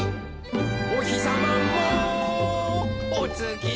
「おひさまもおつきさまも」